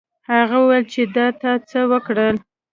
هغه وویل چې دا تا څه وکړل.